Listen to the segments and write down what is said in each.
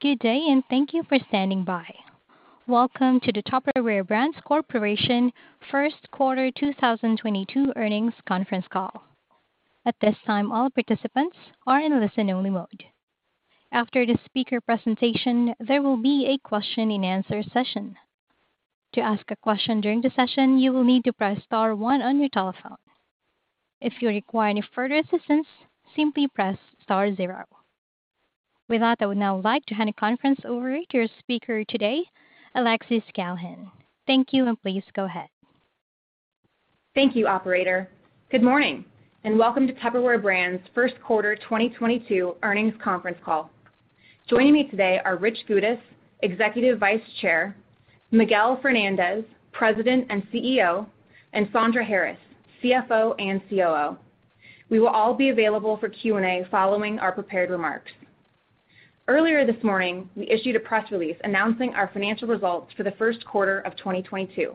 Good day, and thank you for standing by. Welcome to the Tupperware Brands Corporation first quarter 2022 earnings conference call. At this time, all participants are in listen only mode. After the speaker presentation, there will be a question and answer session. To ask a question during the session, you will need to press star one on your telephone. If you require any further assistance, simply press star zero. With that, I would now like to hand the conference over to your speaker today, Alexis Callahan. Thank you, and please go ahead. Thank you, operator. Good morning, and welcome to Tupperware Brands first quarter 2022 earnings conference call. Joining me today are Richard Goudis, Executive Vice Chair, Miguel Fernandez, President and CEO, and Sandra Harris, CFO and COO. We will all be available for Q&A following our prepared remarks. Earlier this morning, we issued a press release announcing our financial results for the first quarter of 2022,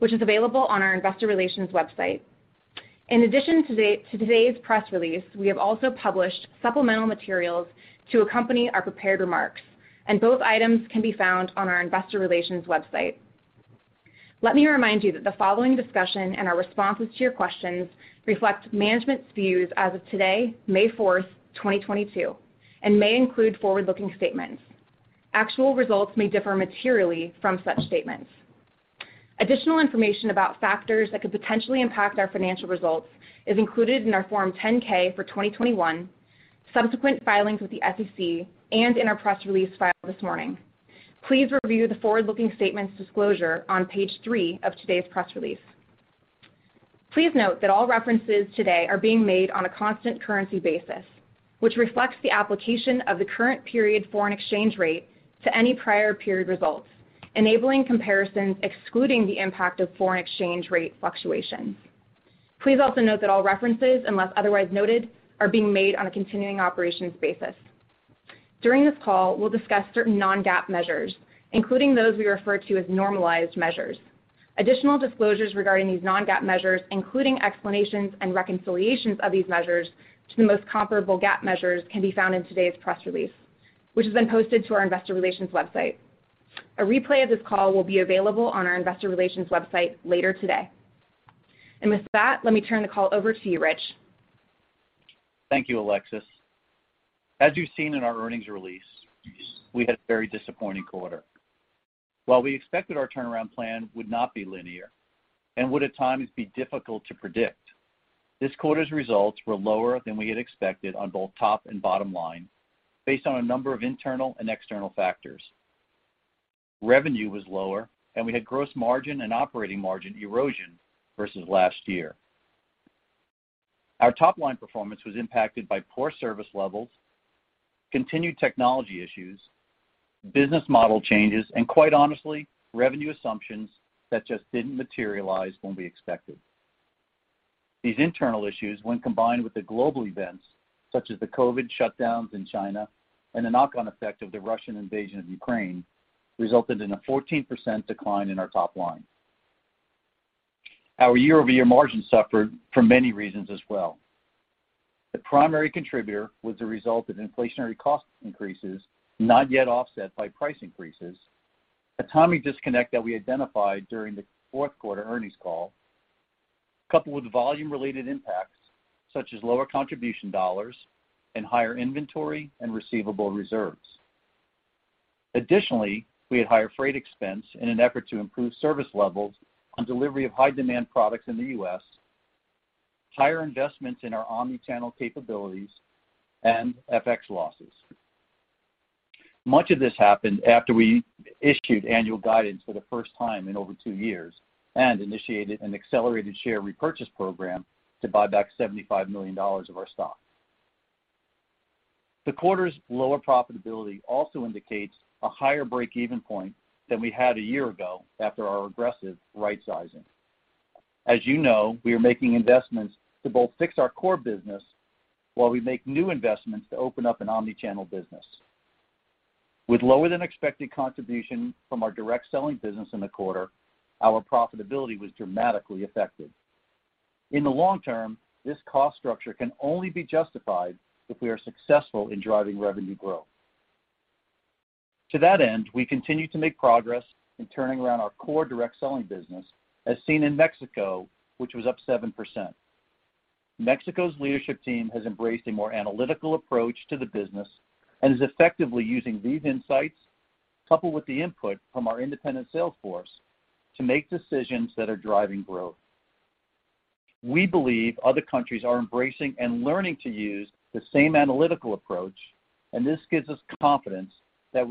which is available on our investor relations website. In addition to today's press release, we have also published supplemental materials to accompany our prepared remarks, and both items can be found on our investor relations website. Let me remind you that the following discussion and our responses to your questions reflect management's views as of today, May fourth, 2022, and may include forward-looking statements. Actual results may differ materially from such statements. Additional information about factors that could potentially impact our financial results is included in our Form 10-K for 2021, subsequent filings with the SEC, and in our press release filed this morning. Please review the forward-looking statements disclosure on page 3 of today's press release. Please note that all references today are being made on a constant currency basis, which reflects the application of the current period foreign exchange rate to any prior period results, enabling comparisons excluding the impact of foreign exchange rate fluctuations. Please also note that all references, unless otherwise noted, are being made on a continuing operations basis. During this call, we'll discuss certain non-GAAP measures, including those we refer to as normalized measures. Additional disclosures regarding these non-GAAP measures, including explanations and reconciliations of these measures to the most comparable GAAP measures, can be found in today's press release, which has been posted to our investor relations website. A replay of this call will be available on our investor relations website later today. With that, let me turn the call over to you, Rich. Thank you, Alexis. As you've seen in our earnings release, we had a very disappointing quarter. While we expected our turnaround plan would not be linear and would at times be difficult to predict, this quarter's results were lower than we had expected on both top and bottom line based on a number of internal and external factors. Revenue was lower, and we had gross margin and operating margin erosion versus last year. Our top-line performance was impacted by poor service levels, continued technology issues, business model changes, and quite honestly, revenue assumptions that just didn't materialize when we expected. These internal issues, when combined with the global events such as the COVID shutdowns in China and the knock-on effect of the Russian invasion of Ukraine, resulted in a 14% decline in our top line. Our year-over-year margin suffered for many reasons as well. The primary contributor was the result of inflationary cost increases not yet offset by price increases, a timing disconnect that we identified during the fourth quarter earnings call, coupled with volume-related impacts such as lower contribution dollars and higher inventory and receivable reserves. Additionally, we had higher freight expense in an effort to improve service levels on delivery of high-demand products in the U.S., higher investments in our omnichannel capabilities, and FX losses. Much of this happened after we issued annual guidance for the first time in over two years and initiated an accelerated share repurchase program to buy back $75 million of our stock. The quarter's lower profitability also indicates a higher break-even point than we had a year ago after our aggressive rightsizing. As you know, we are making investments to both fix our core business while we make new investments to open up an omnichannel business. With lower-than-expected contribution from our direct selling business in the quarter, our profitability was dramatically affected. In the long term, this cost structure can only be justified if we are successful in driving revenue growth. To that end, we continue to make progress in turning around our core direct selling business, as seen in Mexico, which was up 7%. Mexico's leadership team has embraced a more analytical approach to the business and is effectively using these insights, coupled with the input from our independent sales force, to make decisions that are driving growth. We believe other countries are embracing and learning to use the same analytical approach, and this gives us confidence that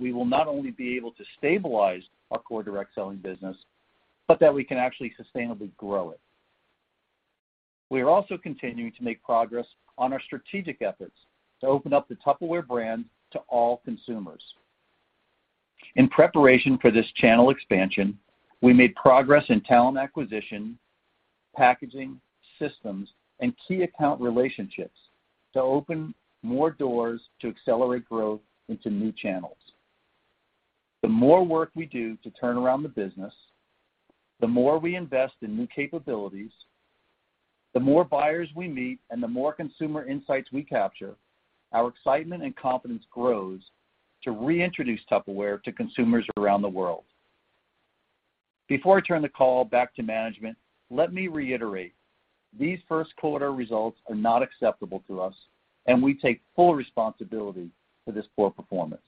we will not only be able to stabilize our core direct selling business, but that we can actually sustainably grow it. We are also continuing to make progress on our strategic efforts to open up the Tupperware brand to all consumers. In preparation for this channel expansion, we made progress in talent acquisition, packaging, systems, and key account relationships to open more doors to accelerate growth into new channels. The more work we do to turn around the business, the more we invest in new capabilities, the more buyers we meet, and the more consumer insights we capture, our excitement and confidence grows to reintroduce Tupperware to consumers around the world. Before I turn the call back to management, let me reiterate, these first quarter results are not acceptable to us, and we take full responsibility for this poor performance.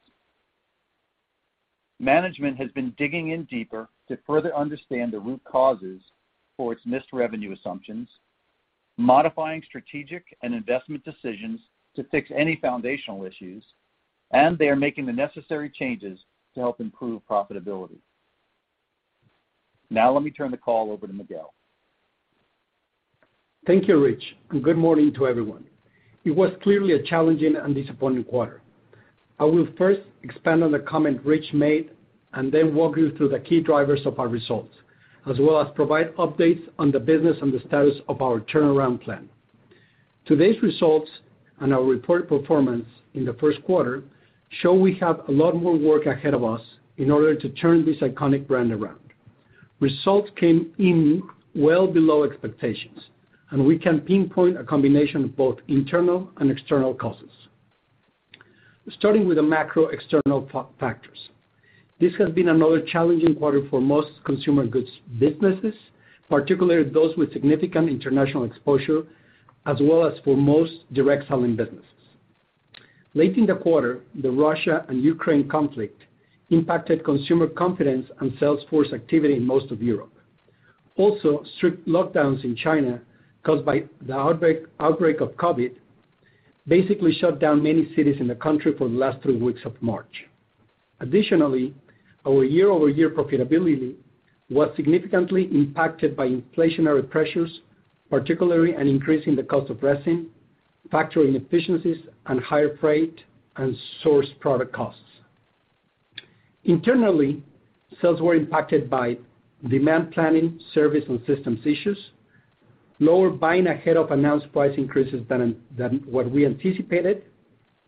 Management has been digging in deeper to further understand the root causes for its missed revenue assumptions, modifying strategic and investment decisions to fix any foundational issues, and they are making the necessary changes to help improve profitability. Now let me turn the call over to Miguel. Thank you, Rich, and good morning to everyone. It was clearly a challenging and disappointing quarter. I will first expand on the comment Rich made and then walk you through the key drivers of our results, as well as provide updates on the business and the status of our turnaround plan. Today's results and our reported performance in the first quarter show we have a lot more work ahead of us in order to turn this iconic brand around. Results came in well below expectations, and we can pinpoint a combination of both internal and external causes. Starting with the macro external factors. This has been another challenging quarter for most consumer goods businesses, particularly those with significant international exposure, as well as for most direct selling businesses. Late in the quarter, the Russia and Ukraine conflict impacted consumer confidence and sales force activity in most of Europe. Also, strict lockdowns in China caused by the outbreak of COVID basically shut down many cities in the country for the last three weeks of March. Additionally, our year-over-year profitability was significantly impacted by inflationary pressures, particularly an increase in the cost of resin, factory inefficiencies and higher freight and source product costs. Internally, sales were impacted by demand planning, service and systems issues, lower buying ahead of announced price increases than what we anticipated,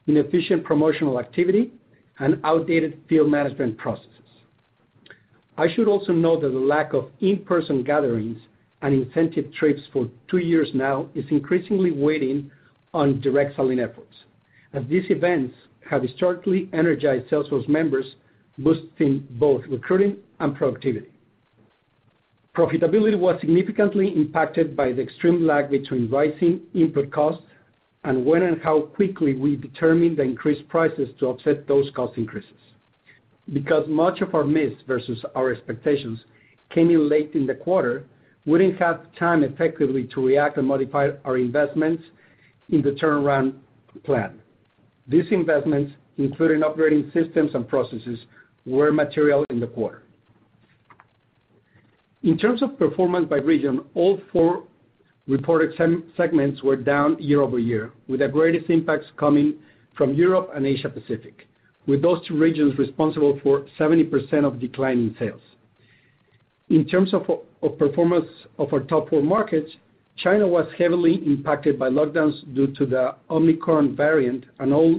inefficient promotional activity, and outdated field management processes. I should also note that the lack of in-person gatherings and incentive trips for two years now is increasingly weighing on direct selling efforts, as these events have historically energized sales force members, boosting both recruiting and productivity. Profitability was significantly impacted by the extreme lag between rising input costs and when and how quickly we determined the increased prices to offset those cost increases. Because much of our miss versus our expectations came in late in the quarter, we didn't have time effectively to react and modify our investments in the turnaround plan. These investments, including operating systems and processes, were material in the quarter. In terms of performance by region, all four reported segments were down year-over-year, with the greatest impacts coming from Europe and Asia Pacific, with those two regions responsible for 70% of declining sales. In terms of performance of our top four markets, China was heavily impacted by lockdowns due to the Omicron variant, and all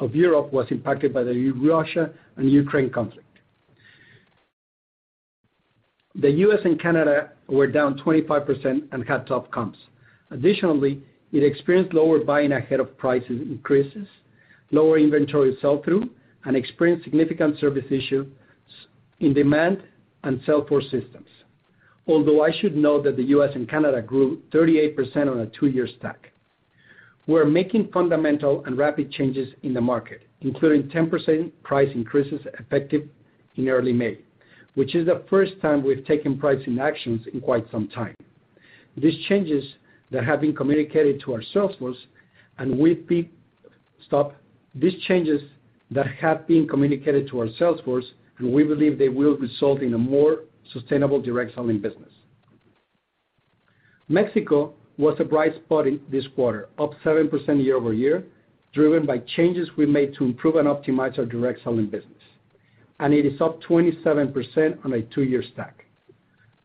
of Europe was impacted by the Russia and Ukraine conflict. The US and Canada were down 25% and had tough comps. Additionally, it experienced lower buying ahead of price increases, lower inventory sell-through, and experienced significant service issues in demand and sales force systems. Although I should note that the U.S. and Canada grew 38% on a two-year stack. We're making fundamental and rapid changes in the market, including 10% price increases effective in early May, which is the first time we've taken pricing actions in quite some time. These changes that have been communicated to our sales force, and we believe they will result in a more sustainable direct selling business. Mexico was a bright spot in this quarter, up 7% year-over-year, driven by changes we made to improve and optimize our direct selling business. It is up 27% on a two-year stack.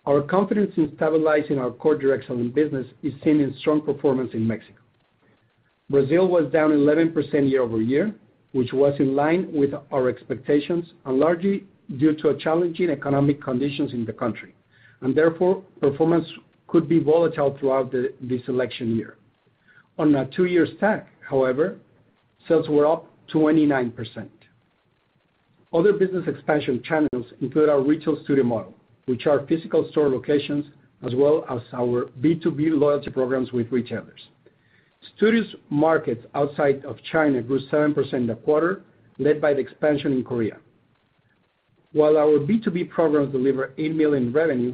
Our confidence in stabilizing our core direct selling business is seen in strong performance in Mexico. Brazil was down 11% year-over-year, which was in line with our expectations and largely due to challenging economic conditions in the country, and therefore, performance could be volatile throughout this election year. On a two-year stack, however, sales were up 29%. Other business expansion channels include our retail studio model, which are physical store locations, as well as our B2B loyalty programs with retailers. Studio markets outside of China grew 7% in the quarter, led by the expansion in Korea. While our B2B programs deliver $8 million revenue,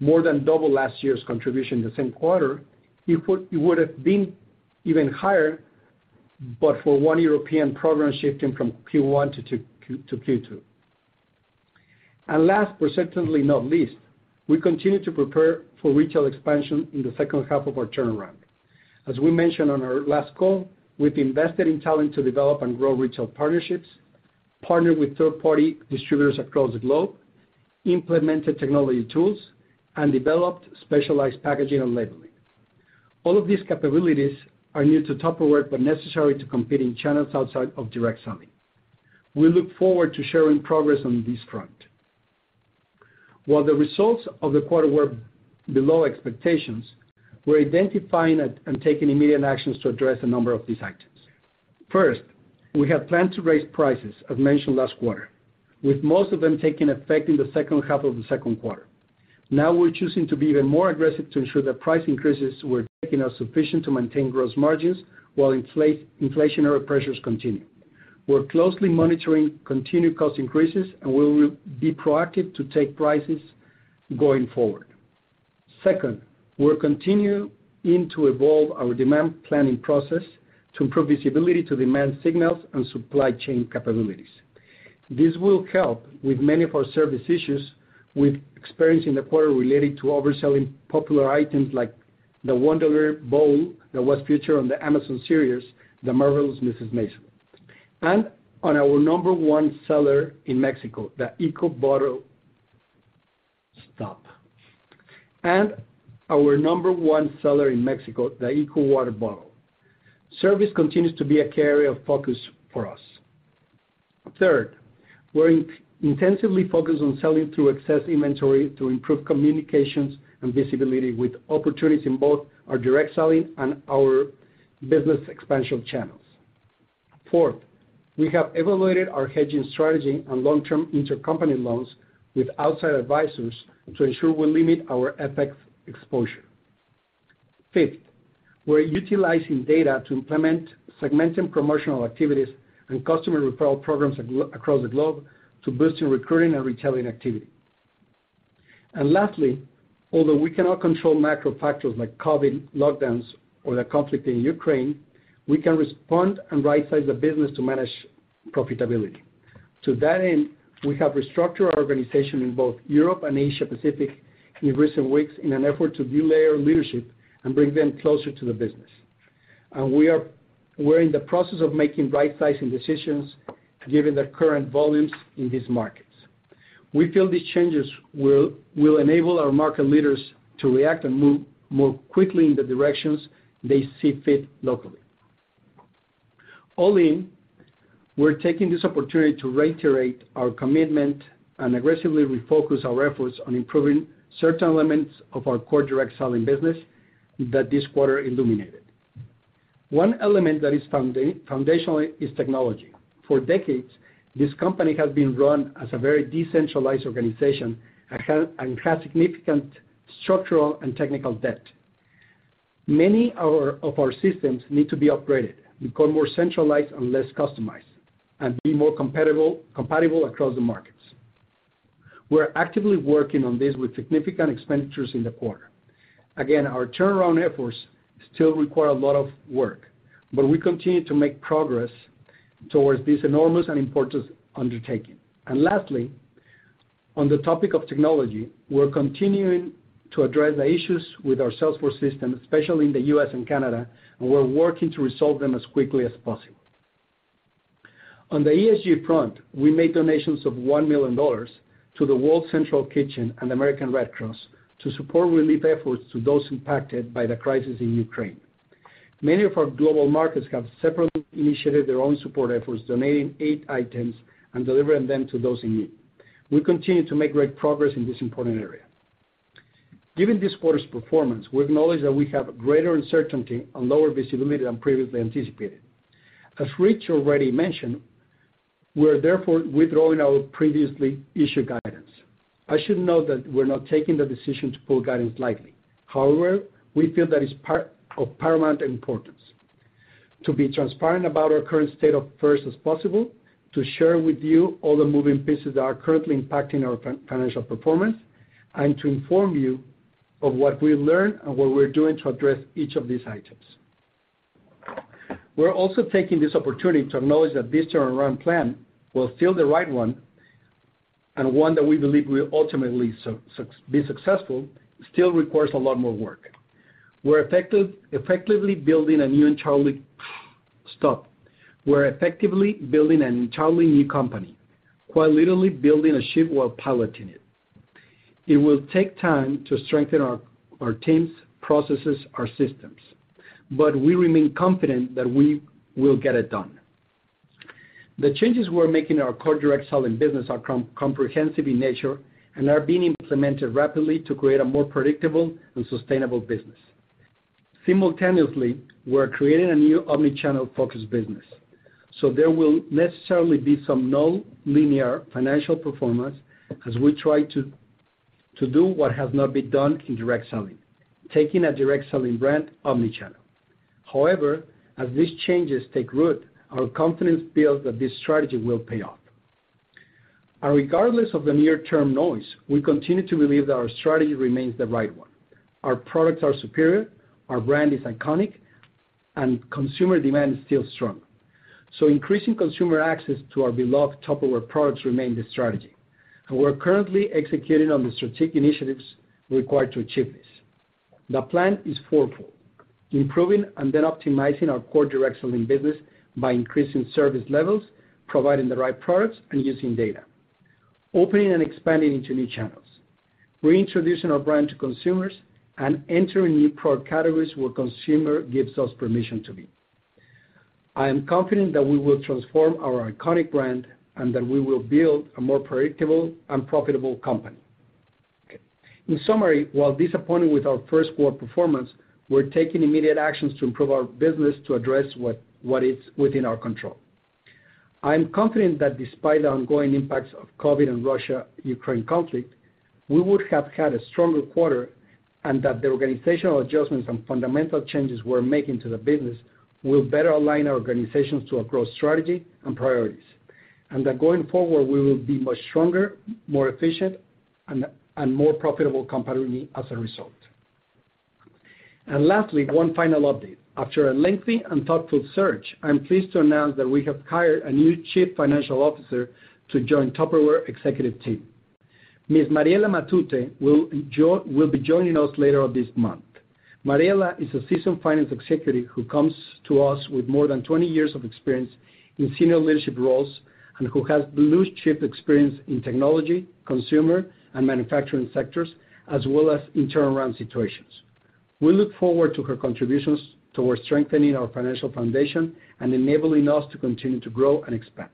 more than double last year's contribution in the same quarter, it would have been even higher, but for one European program shifting from Q1 to Q2. Last, but certainly not least, we continue to prepare for retail expansion in the second half of our turnaround. As we mentioned on our last call, we've invested in talent to develop and grow retail partnerships, partnered with third-party distributors across the globe, implemented technology tools, and developed specialized packaging and labeling. All of these capabilities are new to Tupperware, but necessary to compete in channels outside of direct selling. We look forward to sharing progress on this front. While the results of the quarter were below expectations, we're identifying and taking immediate actions to address a number of these items. First, we have planned to raise prices, as mentioned last quarter, with most of them taking effect in the second half of the second quarter. Now we're choosing to be even more aggressive to ensure that price increases were taking us sufficient to maintain gross margins while inflationary pressures continue. We're closely monitoring continued cost increases, and we will be proactive to take prices going forward. Second, we're continuing to evolve our demand planning process to improve visibility to demand signals and supply chain capabilities. This will help with many of our service issues we've experienced in the quarter related to overselling popular items like the Wonderlier bowl that was featured on the Amazon series, The Marvelous Mrs. Maisel. On our number one seller in Mexico, the Eco Water Bottle. Service continues to be a key area of focus for us. Third, we're intensively focused on selling through excess inventory to improve communications and visibility, with opportunities in both our direct selling and our business expansion channels. Fourth, we have evaluated our hedging strategy and long-term intercompany loans with outside advisors to ensure we limit our FX exposure. Fifth, we're utilizing data to implement segmented promotional activities and customer referral programs across the globe to boost recruiting and retailing activity. Lastly, although we cannot control macro factors like COVID lockdowns or the conflict in Ukraine, we can respond and rightsize the business to manage profitability. To that end, we have restructured our organization in both Europe and Asia Pacific in recent weeks in an effort to delayer leadership and bring them closer to the business. We're in the process of making rightsizing decisions given the current volumes in these markets. We feel these changes will enable our market leaders to react and move more quickly in the directions they see fit locally. All in, we're taking this opportunity to reiterate our commitment and aggressively refocus our efforts on improving certain elements of our core direct selling business that this quarter illuminated. One element that is foundational is technology. For decades, this company has been run as a very decentralized organization and has significant structural and technical debt. Many of our systems need to be upgraded, become more centralized and less customized, and be more compatible across the markets. We're actively working on this with significant expenditures in the quarter. Again, our turnaround efforts still require a lot of work, but we continue to make progress towards this enormous and important undertaking. Lastly, on the topic of technology, we're continuing to address the issues with our sales force system, especially in the U.S. and Canada, and we're working to resolve them as quickly as possible. On the ESG front, we made donations of $1 million to the World Central Kitchen and American Red Cross to support relief efforts to those impacted by the crisis in Ukraine. Many of our global markets have separately initiated their own support efforts, donating aid items and delivering them to those in need. We continue to make great progress in this important area. Given this quarter's performance, we acknowledge that we have greater uncertainty and lower visibility than previously anticipated. As Rich already mentioned, we are therefore withdrawing our previously issued guidance. I should note that we're not taking the decision to pull guidance lightly. However, we feel that it's part of paramount importance to be transparent about our current state of affairs as possible, to share with you all the moving pieces that are currently impacting our financial performance, and to inform you of what we learned and what we're doing to address each of these items. We're taking this opportunity to acknowledge that this turnaround plan was still the right one and one that we believe will ultimately be successful, still requires a lot more work. We're effectively building an entirely new company, while literally building a ship while piloting it. It will take time to strengthen our teams, processes, our systems, but we remain confident that we will get it done. The changes we're making in our core direct selling business are comprehensive in nature and are being implemented rapidly to create a more predictable and sustainable business. Simultaneously, we're creating a new omni-channel focused business, so there will necessarily be some non-linear financial performance as we try to do what has not been done in direct selling, taking a direct selling brand omni-channel. However, as these changes take root, our confidence builds that this strategy will pay off. Regardless of the near term noise, we continue to believe that our strategy remains the right one. Our products are superior, our brand is iconic, and consumer demand is still strong. Increasing consumer access to our beloved Tupperware products remain the strategy, and we're currently executing on the strategic initiatives required to achieve this. The plan is fourfold. Improving and then optimizing our core direct selling business by increasing service levels, providing the right products, and using data. Opening and expanding into new channels, reintroducing our brand to consumers, and entering new product categories where consumer gives us permission to be. I am confident that we will transform our iconic brand and that we will build a more predictable and profitable company. In summary, while disappointed with our first quarter performance, we're taking immediate actions to improve our business to address what is within our control. I am confident that despite the ongoing impacts of COVID and Russia-Ukraine conflict, we would have had a stronger quarter, and that the organizational adjustments and fundamental changes we're making to the business will better align our organizations to our growth strategy and priorities. That going forward, we will be much stronger, more efficient, and more profitable company as a result. Lastly, one final update. After a lengthy and thoughtful search, I am pleased to announce that we have hired a new Chief Financial Officer to join Tupperware executive team. Ms. Mariela Matute will be joining us later this month. Mariela is a seasoned finance executive who comes to us with more than 20 years of experience in senior leadership roles and who has blue-chip experience in technology, consumer, and manufacturing sectors, as well as in turnaround situations. We look forward to her contributions towards strengthening our financial foundation and enabling us to continue to grow and expand.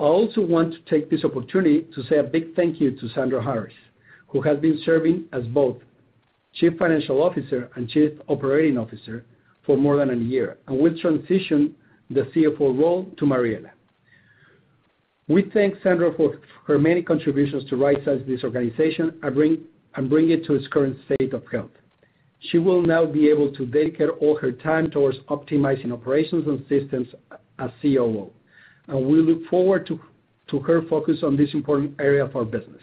I also want to take this opportunity to say a big thank you to Sandra Harris, who has been serving as both chief financial officer and chief operating officer for more than a year, and will transition the CFO role to Mariela. We thank Sandra for her many contributions to right-size this organization and bring it to its current state of health. She will now be able to dedicate all her time towards optimizing operations and systems as COO, and we look forward to her focus on this important area of our business.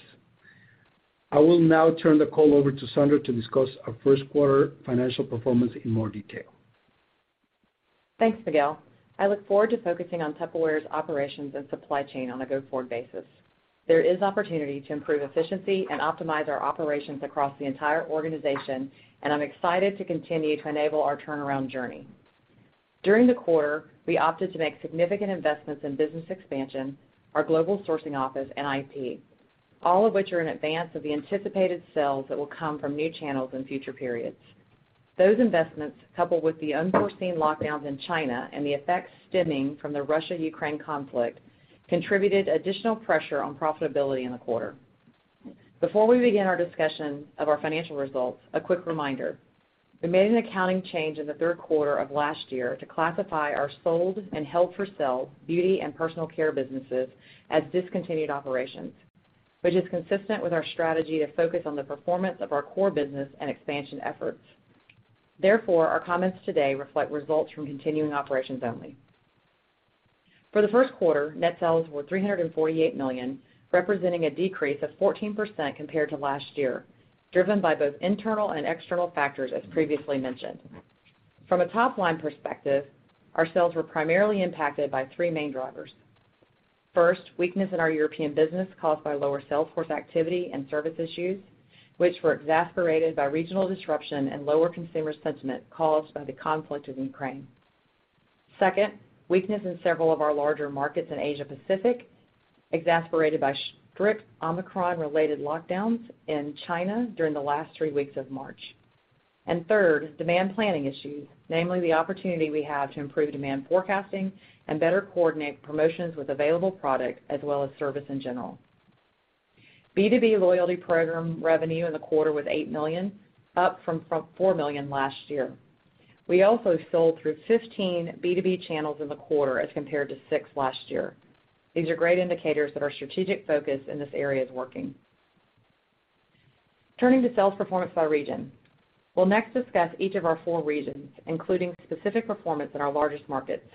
I will now turn the call over to Sandra to discuss our first quarter financial performance in more detail. Thanks, Miguel. I look forward to focusing on Tupperware's operations and supply chain on a go-forward basis. There is opportunity to improve efficiency and optimize our operations across the entire organization, and I'm excited to continue to enable our turnaround journey. During the quarter, we opted to make significant investments in business expansion, our global sourcing office, and IP, all of which are in advance of the anticipated sales that will come from new channels in future periods. Those investments, coupled with the unforeseen lockdowns in China and the effects stemming from the Russia-Ukraine conflict, contributed additional pressure on profitability in the quarter. Before we begin our discussion of our financial results, a quick reminder. We made an accounting change in the third quarter of last year to classify our sold and held-for-sale beauty and personal care businesses as discontinued operations, which is consistent with our strategy to focus on the performance of our core business and expansion efforts. Therefore, our comments today reflect results from continuing operations only. For the first quarter, net sales were $348 million, representing a decrease of 14% compared to last year, driven by both internal and external factors, as previously mentioned. From a top-line perspective, our sales were primarily impacted by three main drivers. First, weakness in our European business caused by lower sales force activity and service issues, which were exacerbated by regional disruption and lower consumer sentiment caused by the conflict with Ukraine. Second, weakness in several of our larger markets in Asia Pacific, exacerbated by strict Omicron-related lockdowns in China during the last three weeks of March. Third, demand planning issues, namely the opportunity we have to improve demand forecasting and better coordinate promotions with available product as well as service in general. B2B loyalty program revenue in the quarter was $8 million, up from $4 million last year. We also sold through 15 B2B channels in the quarter as compared to 6 last year. These are great indicators that our strategic focus in this area is working. Turning to sales performance by region. We'll next discuss each of our four regions, including specific performance in our largest markets.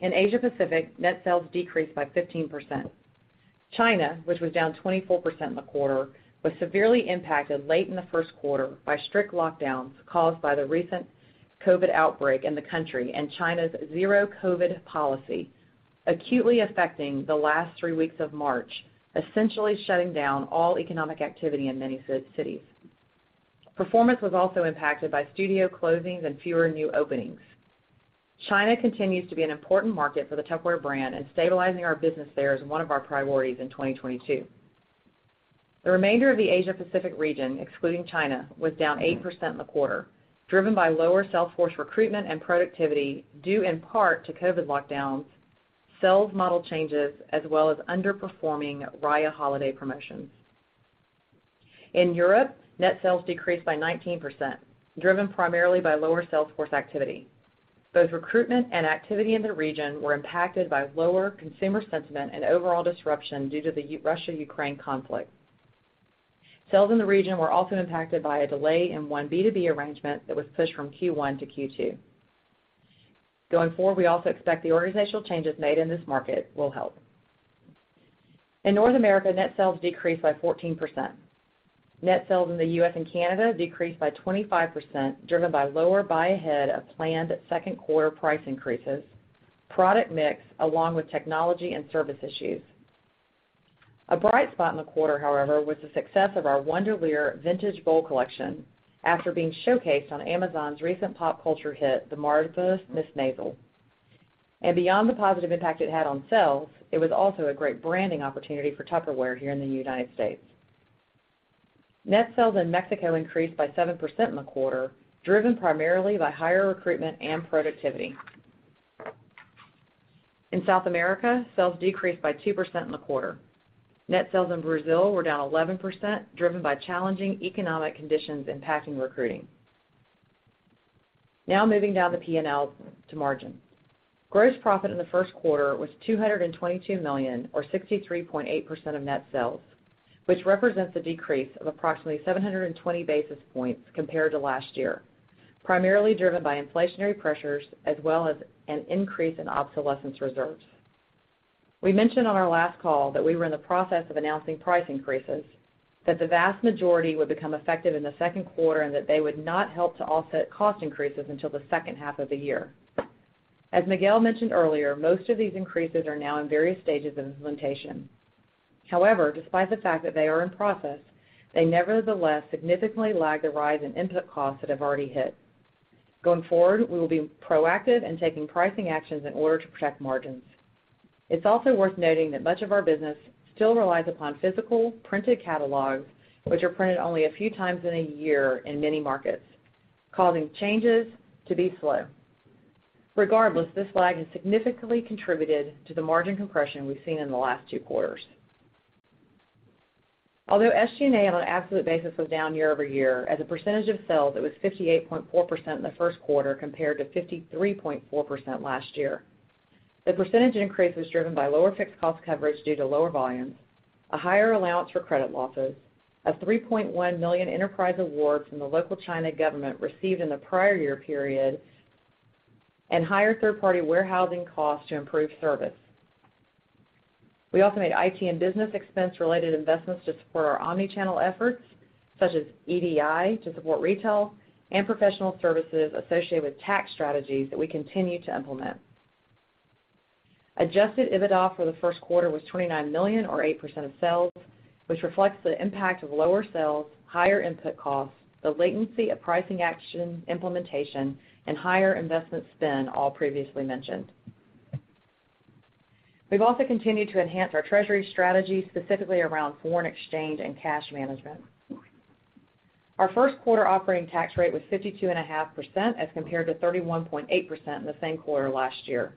In Asia Pacific, net sales decreased by 15%. China, which was down 24% in the quarter, was severely impacted late in the first quarter by strict lockdowns caused by the recent COVID outbreak in the country and China's zero-COVID policy, acutely affecting the last three weeks of March, essentially shutting down all economic activity in many cities. Performance was also impacted by studio closings and fewer new openings. China continues to be an important market for the Tupperware brand, and stabilizing our business there is one of our priorities in 2022. The remainder of the Asia Pacific region, excluding China, was down 8% in the quarter, driven by lower sales force recruitment and productivity due in part to COVID lockdowns, sales model changes, as well as underperforming Raya holiday promotions. In Europe, net sales decreased by 19%, driven primarily by lower sales force activity. Both recruitment and activity in the region were impacted by lower consumer sentiment and overall disruption due to the Russia-Ukraine conflict. Sales in the region were also impacted by a delay in one B2B arrangement that was pushed from Q1 to Q2. Going forward, we also expect the organizational changes made in this market will help. In North America, net sales decreased by 14%. Net sales in the U.S. and Canada decreased by 25%, driven by lower buy ahead of planned second quarter price increases, product mix, along with technology and service issues. A bright spot in the quarter, however, was the success of our Wonderlier Vintage Bowl Collection after being showcased on Amazon's recent pop culture hit, The Marvelous Mrs. Maisel. Beyond the positive impact it had on sales, it was also a great branding opportunity for Tupperware here in the United States. Net sales in Mexico increased by 7% in the quarter, driven primarily by higher recruitment and productivity. In South America, sales decreased by 2% in the quarter. Net sales in Brazil were down 11%, driven by challenging economic conditions impacting recruiting. Now moving down the P&L to margin. Gross profit in the first quarter was $222 million, or 63.8% of net sales, which represents a decrease of approximately 720 basis points compared to last year, primarily driven by inflationary pressures as well as an increase in obsolescence reserves. We mentioned on our last call that we were in the process of announcing price increases, that the vast majority would become effective in the second quarter and that they would not help to offset cost increases until the second half of the year. As Miguel mentioned earlier, most of these increases are now in various stages of implementation. However, despite the fact that they are in process, they nevertheless significantly lag the rise in input costs that have already hit. Going forward, we will be proactive in taking pricing actions in order to protect margins. It's also worth noting that much of our business still relies upon physical printed catalogs, which are printed only a few times in a year in many markets, causing changes to be slow. Regardless, this lag has significantly contributed to the margin compression we've seen in the last two quarters. Although SG&A on an absolute basis was down year over year, as a percentage of sales, it was 58.4% in the first quarter compared to 53.4% last year. The percentage increase was driven by lower fixed cost coverage due to lower volumes, a higher allowance for credit losses, a $3.1 million enterprise award from the local China government received in the prior year period, and higher third-party warehousing costs to improve service. We also made IT and business expense-related investments to support our omni-channel efforts, such as EDI to support retail and professional services associated with tax strategies that we continue to implement. Adjusted EBITDA for the first quarter was $29 million or 8% of sales, which reflects the impact of lower sales, higher input costs, the latency of pricing action implementation, and higher investment spend all previously mentioned. We've also continued to enhance our treasury strategy, specifically around foreign exchange and cash management. Our first quarter operating tax rate was 52.5% as compared to 31.8% in the same quarter last year.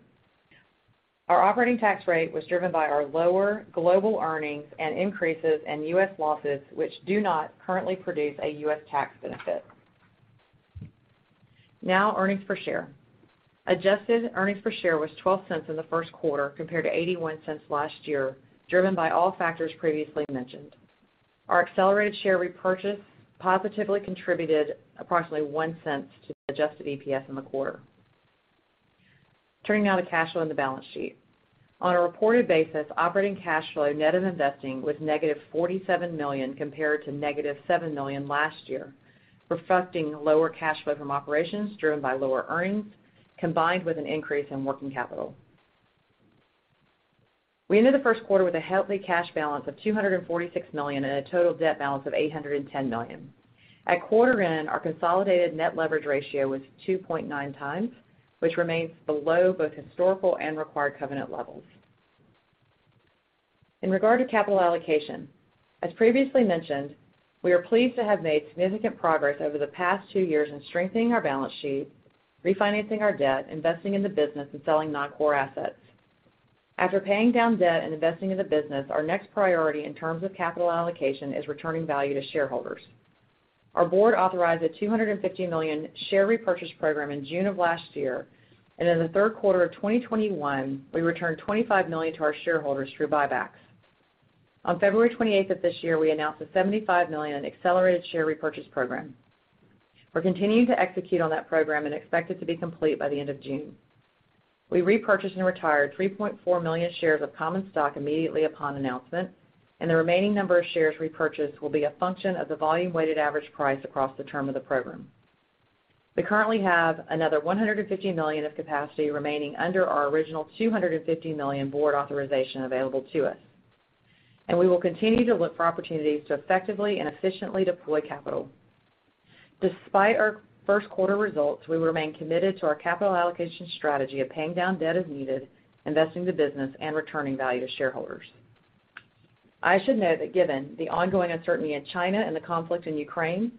Our operating tax rate was driven by our lower global earnings and increases in U.S. losses, which do not currently produce a U.S. tax benefit. Now earnings per share. Adjusted earnings per share was $0.12 in the first quarter compared to $0.81 last year, driven by all factors previously mentioned. Our accelerated share repurchase positively contributed approximately $0.01 to the adjusted EPS in the quarter. Turning now to cash flow and the balance sheet. On a reported basis, operating cash flow net of investing was -$47 million compared to -$7 million last year, reflecting lower cash flow from operations driven by lower earnings combined with an increase in working capital. We ended the first quarter with a healthy cash balance of $246 million and a total debt balance of $810 million. At quarter end, our consolidated net leverage ratio was 2.9 times, which remains below both historical and required covenant levels. In regard to capital allocation, as previously mentioned, we are pleased to have made significant progress over the past two years in strengthening our balance sheet, refinancing our debt, investing in the business, and selling non-core assets. After paying down debt and investing in the business, our next priority in terms of capital allocation is returning value to shareholders. Our board authorized a $250 million share repurchase program in June of last year, and in the third quarter of 2021, we returned $25 million to our shareholders through buybacks. On February 28th of this year, we announced a $75 million accelerated share repurchase program. We're continuing to execute on that program and expect it to be complete by the end of June. We repurchased and retired 3.4 million shares of common stock immediately upon announcement, and the remaining number of shares repurchased will be a function of the volume-weighted average price across the term of the program. We currently have another $150 million of capacity remaining under our original $250 million board authorization available to us, and we will continue to look for opportunities to effectively and efficiently deploy capital. Despite our first quarter results, we remain committed to our capital allocation strategy of paying down debt as needed, investing the business, and returning value to shareholders. I should note that given the ongoing uncertainty in China and the conflict in Ukraine,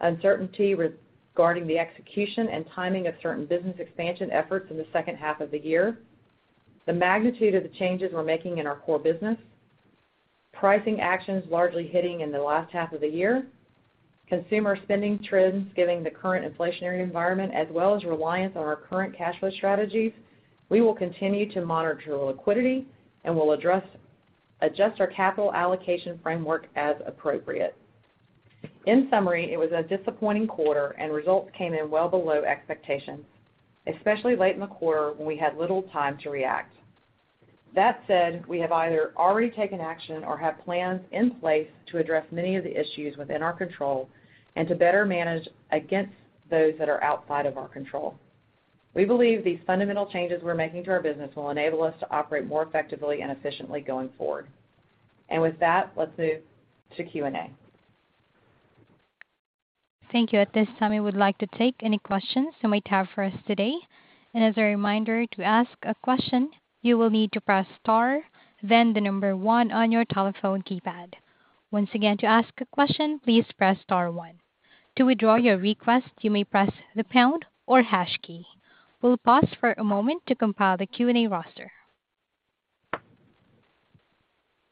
uncertainty regarding the execution and timing of certain business expansion efforts in the second half of the year, the magnitude of the changes we're making in our core business, pricing actions largely hitting in the last half of the year, consumer spending trends given the current inflationary environment, as well as reliance on our current cash flow strategies, we will continue to monitor liquidity and will adjust our capital allocation framework as appropriate. In summary, it was a disappointing quarter and results came in well below expectations, especially late in the quarter when we had little time to react. That said, we have either already taken action or have plans in place to address many of the issues within our control and to better manage against those that are outside of our control. We believe these fundamental changes we're making to our business will enable us to operate more effectively and efficiently going forward. With that, let's move to Q&A. Thank you. At this time, we would like to take any questions you might have for us today. As a reminder, to ask a question, you will need to press Star, then the number one on your telephone keypad. Once again, to ask a question, please press Star one. To withdraw your request, you may press the pound or hash key. We'll pause for a moment to compile the Q&A roster.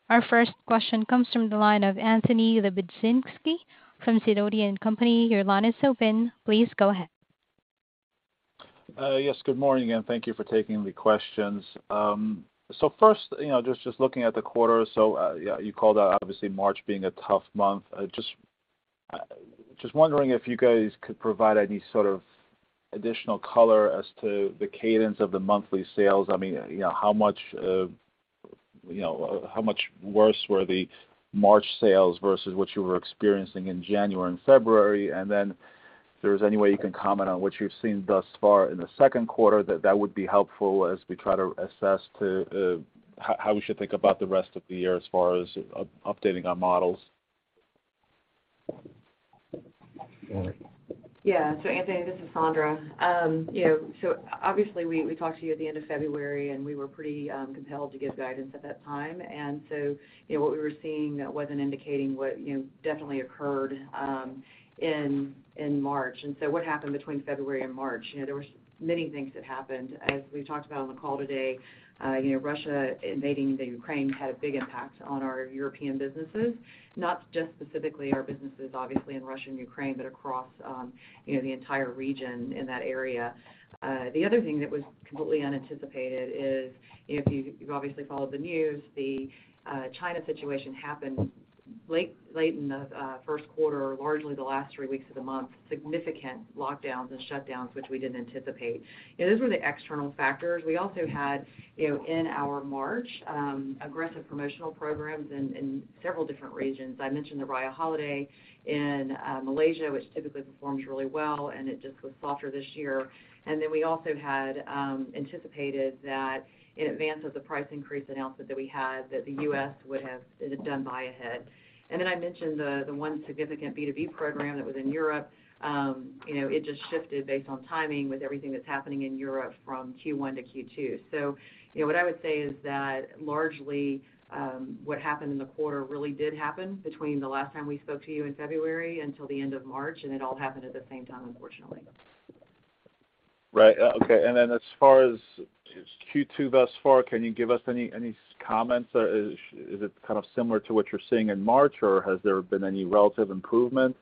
Our first question comes from the line of Anthony C. Lebiedzinski from Sidoti & Company. Your line is open. Please go ahead. Yes, good morning, and thank you for taking the questions. First, you know, just looking at the quarter. Yeah, you called out obviously March being a tough month. Just wondering if you guys could provide any sort of additional color as to the cadence of the monthly sales. I mean, you know, how much worse were the March sales versus what you were experiencing in January and February? And then if there's any way you can comment on what you've seen thus far in the second quarter, that would be helpful as we try to assess how we should think about the rest of the year as far as updating our models. Yeah. Anthony, this is Sandra. You know, obviously we talked to you at the end of February, and we were pretty compelled to give guidance at that time. You know, what we were seeing wasn't indicating what definitely occurred in March. What happened between February and March? You know, there were many things that happened. As we talked about on the call today, you know, Russia invading Ukraine had a big impact on our European businesses. Not just specifically our businesses obviously in Russia and Ukraine, but across you know, the entire region in that area. The other thing that was completely unanticipated is, if you've obviously followed the news, the China situation happened late in the first quarter or largely the last three weeks of the month, significant lockdowns and shutdowns, which we didn't anticipate. Those were the external factors. We also had, you know, in our March aggressive promotional programs in several different regions. I mentioned the Raya holiday in Malaysia, which typically performs really well, and it just was softer this year. We also had anticipated that in advance of the price increase announcement that we had, that the US would have done buy ahead. I mentioned the one significant B2B program that was in Europe. It just shifted based on timing with everything that's happening in Europe from Q1 to Q2. you know, what I would say is that largely, what happened in the quarter really did happen between the last time we spoke to you in February until the end of March, and it all happened at the same time, unfortunately. Right. Okay. As far as Q2 thus far, can you give us any comments? Is it kind of similar to what you're seeing in March, or has there been any relative improvement?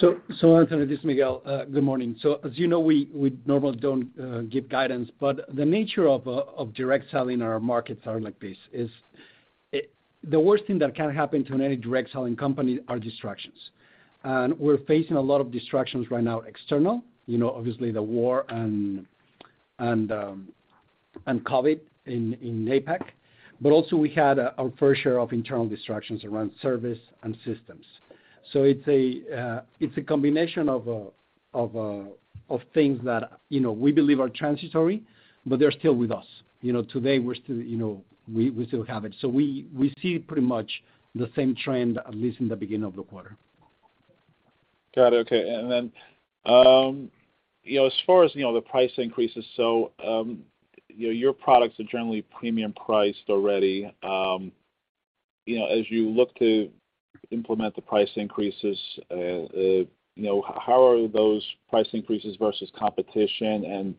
Anthony, this is Miguel. Good morning. As you know, we normally don't give guidance, but the nature of direct selling, our markets are like this. The worst thing that can happen to any direct selling company are distractions. We're facing a lot of distractions right now, external, you know, obviously the war and COVID in APAC. But also we had our fair share of internal distractions around service and systems. It's a combination of things that, you know, we believe are transitory, but they're still with us. You know, today, we're still, you know, we still have it. We see pretty much the same trend, at least in the beginning of the quarter. Got it. Okay. Then, you know, as far as, you know, the price increases, so, you know, your products are generally premium priced already. You know, as you look to implement the price increases, you know, how are those price increases versus competition?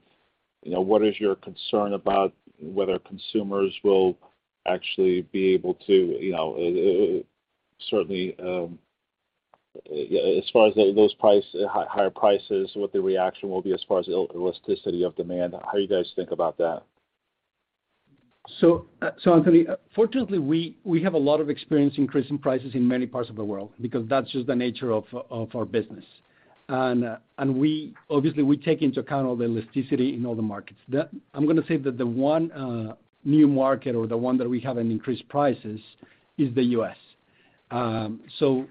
You know, what is your concern about whether consumers will actually be able to, you know, certainly, as far as those higher prices, what the reaction will be as far as elasticity of demand? How do you guys think about that? Anthony, fortunately, we have a lot of experience increasing prices in many parts of the world because that's just the nature of our business. Obviously, we take into account all the elasticity in all the markets. I'm gonna say that the one new market or the one that we haven't increased prices is the U.S.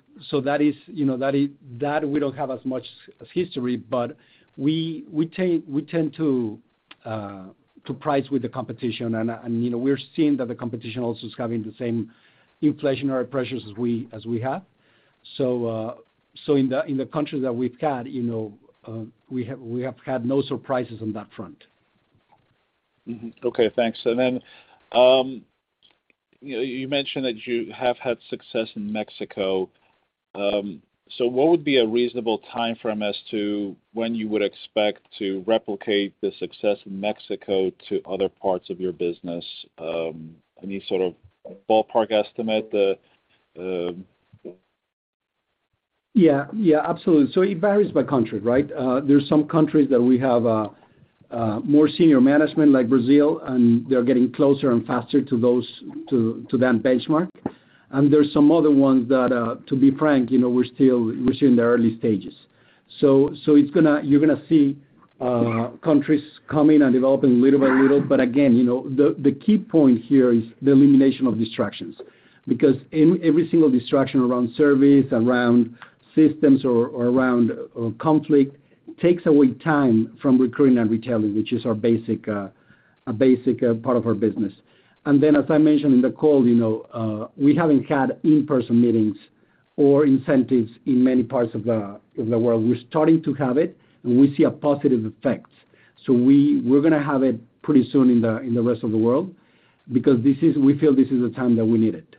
That is that we don't have as much history, but we tend to price with the competition. You know, we're seeing that the competition also is having the same inflationary pressures as we have. In the countries that we've cut, we have had no surprises on that front. Mm-hmm. Okay, thanks. You know, you mentioned that you have had success in Mexico. What would be a reasonable timeframe as to when you would expect to replicate the success in Mexico to other parts of your business? Any sort of ballpark estimate? Yeah, yeah, absolutely. It varies by country, right? There's some countries that we have more senior management like Brazil, and they're getting closer and faster to those to that benchmark. There's some other ones that, to be frank, you know, we're still in the early stages. You're gonna see countries coming and developing little by little. Again, you know, the key point here is the elimination of distractions. Because every single distraction around service, around systems or around conflict takes away time from recruiting and retailing, which is a basic part of our business. Then as I mentioned in the call, you know, we haven't had in-person meetings or incentives in many parts of the world. We're starting to have it, and we see a positive effect. We're gonna have it pretty soon in the rest of the world because we feel this is a time that we need it.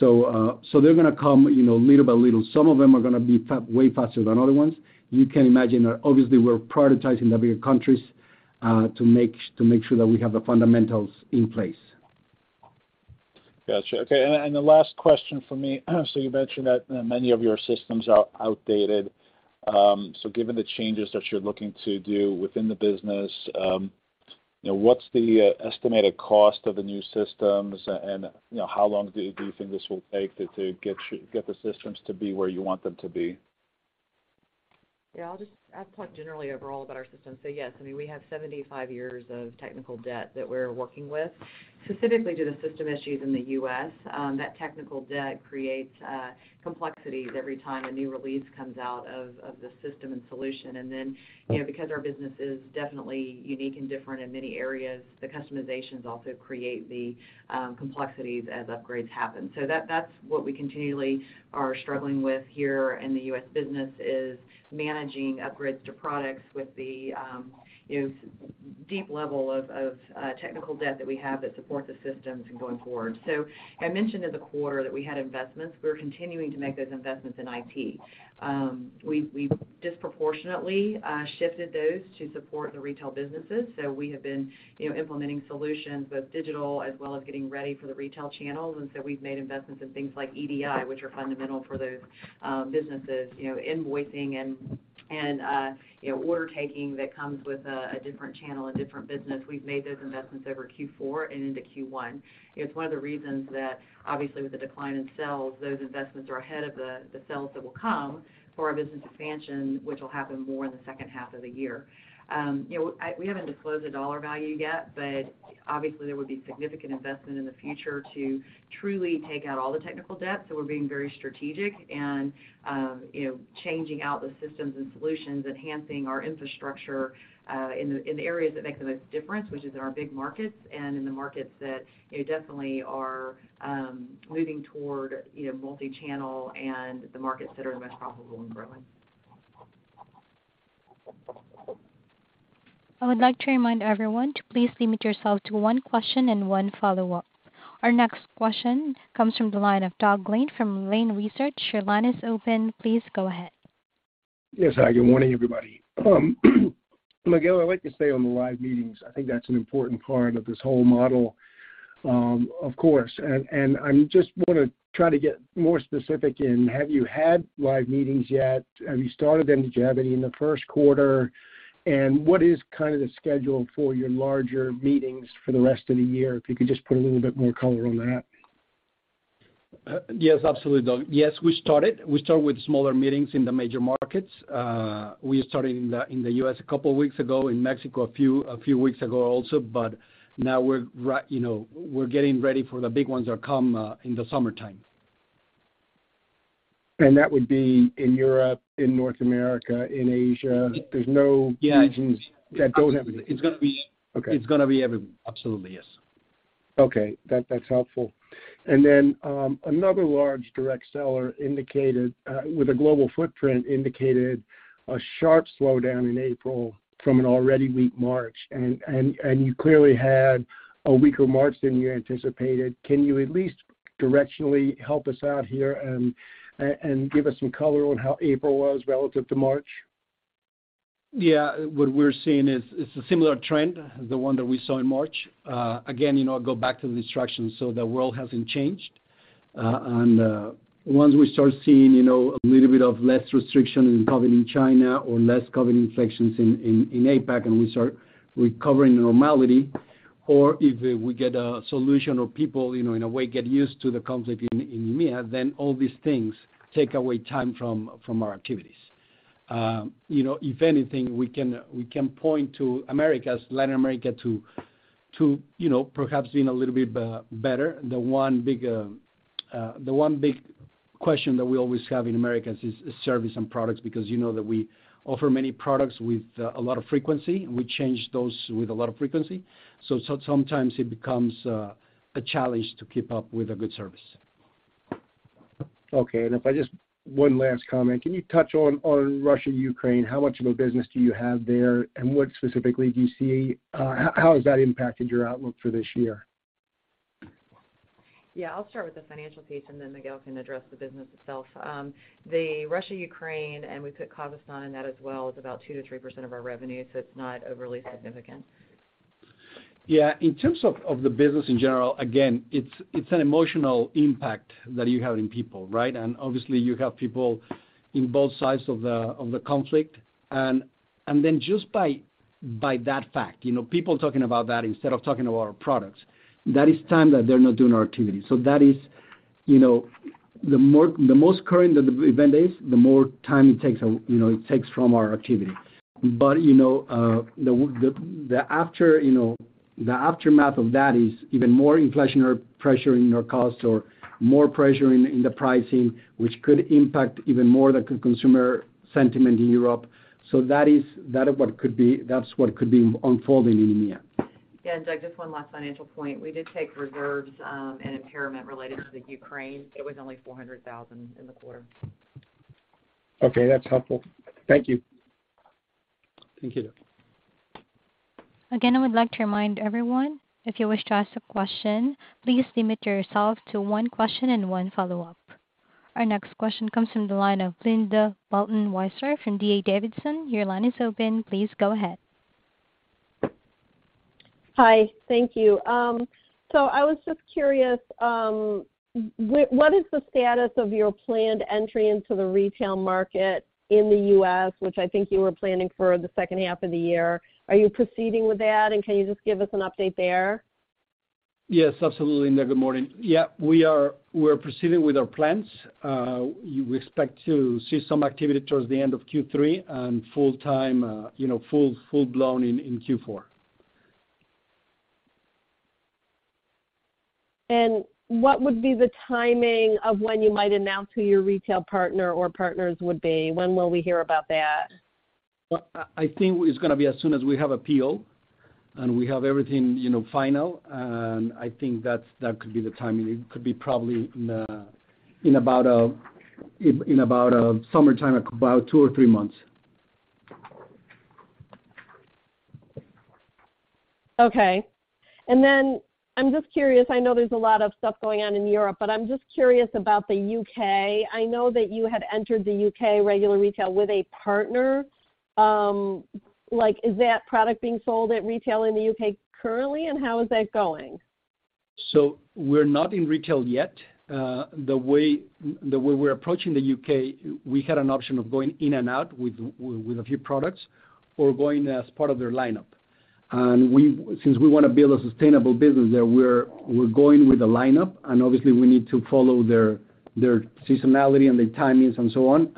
They're gonna come, you know, little by little. Some of them are gonna be way faster than other ones. You can imagine that obviously we're prioritizing the bigger countries to make sure that we have the fundamentals in place. Gotcha. Okay, the last question from me. You mentioned that many of your systems are outdated. Given the changes that you're looking to do within the business, you know, what's the estimated cost of the new systems and, you know, how long do you think this will take to get the systems to be where you want them to be? Yeah, I'll just add a point generally overall about our systems. Yes, I mean, we have 75 years of technical debt that we're working with. Specifically to the system issues in the U.S., that technical debt creates complexities every time a new release comes out of the system and solution. You know, because our business is definitely unique and different in many areas, the customizations also create the complexities as upgrades happen. That's what we continually are struggling with here in the U.S. business, is managing upgrades to products with the, you know, deep level of technical debt that we have that support the systems in going forward. I mentioned in the quarter that we had investments. We're continuing to make those investments in IT. We've disproportionately shifted those to support the retail businesses. We have been, you know, implementing solutions, both digital as well as getting ready for the retail channels. We've made investments in things like EDI, which are fundamental for those businesses. You know, invoicing and you know, order taking that comes with a different channel, a different business. We've made those investments over Q4 and into Q1. It's one of the reasons that obviously with the decline in sales, those investments are ahead of the sales that will come for our business expansion, which will happen more in the second half of the year. You know, we haven't disclosed the dollar value yet, but obviously there would be significant investment in the future to truly take out all the technical debt, so we're being very strategic and, you know, changing out the systems and solutions, enhancing our infrastructure, in the areas that make the most difference, which is in our big markets and in the markets that, you know, definitely are moving toward, you know, multi-channel and the markets that are the most profitable and growing. I would like to remind everyone to please limit yourself to one question and one follow-up. Our next question comes from the line of Doug Lane from Lane Research. Your line is open. Please go ahead. Yes. Hi, good morning, everybody. Miguel, I'd like to stay on the live meetings. I think that's an important part of this whole model, of course. And I just wanna try to get more specific in, have you had live meetings yet? Have you started them? Did you have any in the first quarter? What is kind of the schedule for your larger meetings for the rest of the year? If you could just put a little bit more color on that. Yes, absolutely, Doug. Yes, we started. We start with smaller meetings in the major markets. We started in the U.S. a couple weeks ago, in Mexico a few weeks ago also, but now we're, you know, getting ready for the big ones that come in the summertime. That would be in Europe, in North America, in Asia? Yeah. There's no regions that don't have any. Absolutely. Okay. Absolutely, yes. Okay. That's helpful. Another large direct seller indicated with a global footprint a sharp slowdown in April from an already weak March. You clearly had a weaker March than you anticipated. Can you at least directionally help us out here and give us some color on how April was relative to March? Yeah. What we're seeing is, it's a similar trend as the one that we saw in March. Again, you know, I'll go back to the distractions. The world hasn't changed. Once we start seeing, you know, a little bit of less restriction in COVID in China or less COVID infections in APAC, and we start recovering normality or if we get a solution or people, you know, in a way get used to the conflict in EMEA, then all these things take away time from our activities. You know, if anything, we can point to Americas, Latin America to you know, perhaps being a little bit better. The one big question that we always have in Americas is service and products because you know that we offer many products with a lot of frequency, and we change those with a lot of frequency. Sometimes it becomes a challenge to keep up with a good service. Okay. One last comment. Can you touch on Russia and Ukraine? How much of a business do you have there, and how has that impacted your outlook for this year? Yeah, I'll start with the financial piece, and then Miguel can address the business itself. The Russia, Ukraine, and we put Kazakhstan in that as well, is about 2%-3% of our revenue, so it's not overly significant. Yeah. In terms of the business in general, again, it's an emotional impact that you have in people, right? Obviously you have people in both sides of the conflict. Then just by that fact, you know, people talking about that instead of talking about our products, that is time that they're not doing our activities. That is, you know, the most current that the event is, the more time it takes, you know, it takes from our activity. The aftermath of that is even more inflationary pressure in our costs or more pressure in the pricing, which could impact even more the consumer sentiment in Europe. That is what could be unfolding in EMEA. Yeah, Doug, just one last financial point. We did take reserves in impairment related to Ukraine. It was only $400,000 in the quarter. Okay, that's helpful. Thank you. Thank you. Again, I would like to remind everyone, if you wish to ask a question, please limit yourself to one question and one follow-up. Our next question comes from the line of Linda Bolton-Weiser from D.A. Davidson. Your line is open. Please go ahead. Hi, thank you. I was just curious, what is the status of your planned entry into the retail market in the US, which I think you were planning for the second half of the year. Are you proceeding with that? Can you just give us an update there? Yes, absolutely, Linda. Good morning. Yeah, we're proceeding with our plans. We expect to see some activity toward the end of Q3 and full-time, you know, full-blown in Q4. What would be the timing of when you might announce who your retail partner or partners would be? When will we hear about that? Well, I think it's gonna be as soon as we have a PO, and we have everything, you know, final. I think that's the timing. It could be probably in about summertime, about two or three months. Okay. I'm just curious, I know there's a lot of stuff going on in Europe, but I'm just curious about the U.K. I know that you had entered the U.K. regular retail with a partner. Like, is that product being sold at retail in the U.K. currently, and how is that going? We're not in retail yet. The way we're approaching the U.K., we had an option of going in and out with a few products or going as part of their lineup. Since we wanna build a sustainable business there, we're going with a lineup. Obviously we need to follow their seasonality and their timings and so on.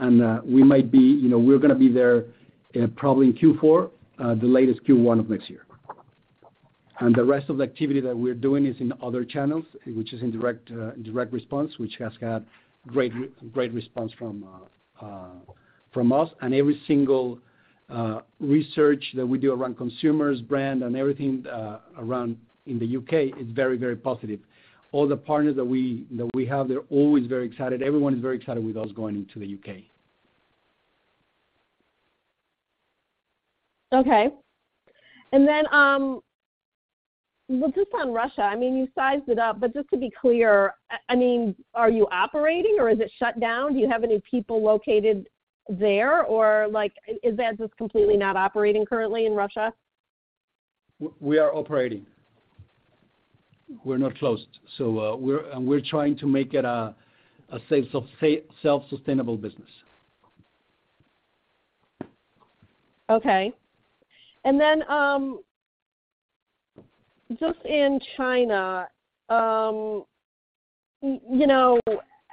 We're gonna be there in Q4, the latest Q1 of next year. The rest of the activity that we're doing is in other channels, which is in direct response, which has had great response from us. Every single research that we do around consumers brand and everything in the U.K. is very, very positive. All the partners that we have, they're always very excited. Everyone is very excited with us going into the U.K. Okay. Well, just on Russia, I mean, you sized it up, but just to be clear, I mean, are you operating or is it shut down? Do you have any people located there or like, is that just completely not operating currently in Russia? We are operating. We're not closed. We're trying to make it a self-sustainable business. Okay. Just in China, you know,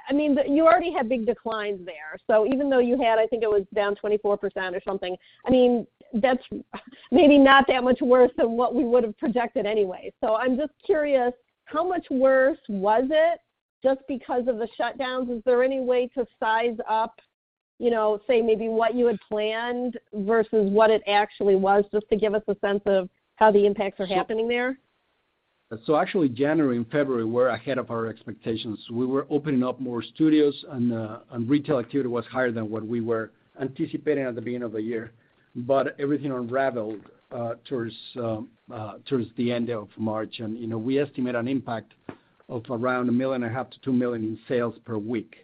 I mean, you already had big declines there. Even though you had, I think it was down 24% or something, I mean, that's maybe not that much worse than what we would've projected anyway. I'm just curious, how much worse was it just because of the shutdowns? Is there any way to size up, you know, say maybe what you had planned versus what it actually was, just to give us a sense of how the impacts are happening there? Actually, January and February were ahead of our expectations. We were opening up more studios and retail activity was higher than what we were anticipating at the beginning of the year. Everything unraveled towards the end of March. We estimate an impact of around $1.5 million-$2 million in sales per week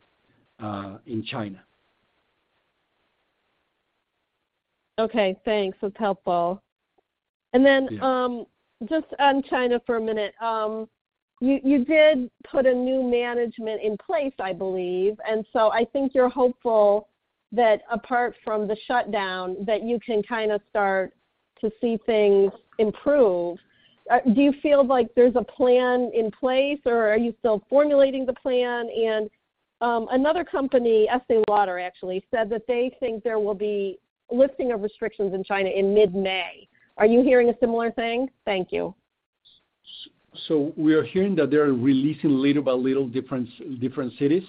in China. Okay, thanks. That's helpful. Yeah. Just on China for a minute. You did put a new management in place, I believe. I think you're hopeful that apart from the shutdown, that you can kinda start to see things improve. Do you feel like there's a plan in place or are you still formulating the plan? Another company, Estée Lauder actually, said that they think there will be lifting of restrictions in China in mid-May. Are you hearing a similar thing? Thank you. We are hearing that they're releasing little by little different cities.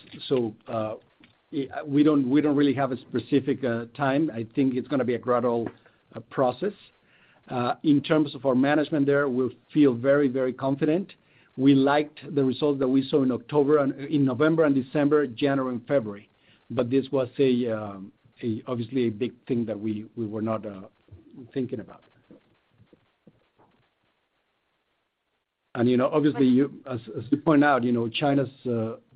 We don't really have a specific time. I think it's gonna be a gradual process. In terms of our management there, we feel very confident. We liked the results that we saw in October and in November and December, January and February. This was obviously a big thing that we were not thinking about. You know, obviously as you point out, you know, China's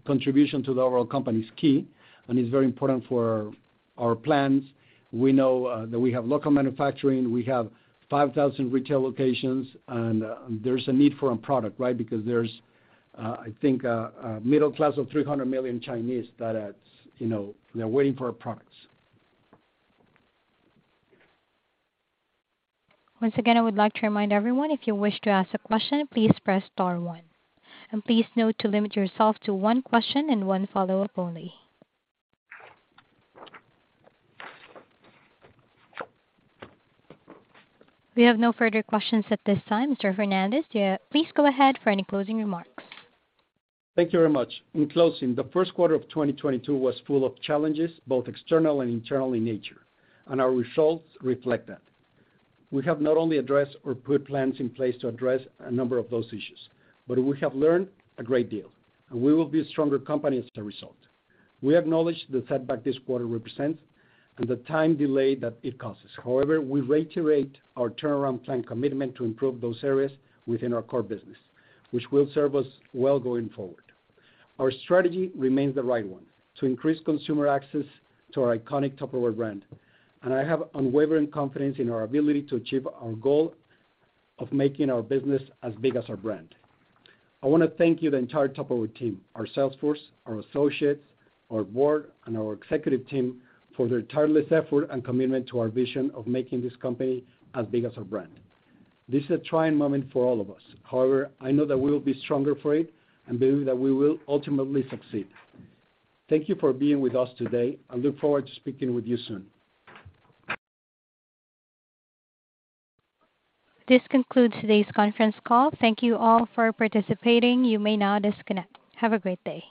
contribution to the overall company is key and is very important for our plans. We know that we have local manufacturing, we have 5,000 retail locations, and there's a need for a product, right? Because there's, I think, a middle class of 300 million Chinese that has, you know, they're waiting for our products. Once again, I would like to remind everyone, if you wish to ask a question, please press star one. Please note to limit yourself to one question and one follow-up only. We have no further questions at this time. Mr. Fernandez, yeah, please go ahead for any closing remarks. Thank you very much. In closing, the first quarter of 2022 was full of challenges, both external and internal in nature, and our results reflect that. We have not only addressed or put plans in place to address a number of those issues, but we have learned a great deal, and we will be a stronger company as a result. We acknowledge the setback this quarter represents and the time delay that it causes. However, we reiterate our turnaround plan commitment to improve those areas within our core business, which will serve us well going forward. Our strategy remains the right one to increase consumer access to our iconic Tupperware brand. I have unwavering confidence in our ability to achieve our goal of making our business as big as our brand. I wanna thank you, the entire Tupperware team, our sales force, our associates, our board, and our executive team for their tireless effort and commitment to our vision of making this company as big as our brand. This is a trying moment for all of us. However, I know that we will be stronger for it and believe that we will ultimately succeed. Thank you for being with us today. I look forward to speaking with you soon. This concludes today's conference call. Thank you all for participating. You may now disconnect. Have a good day.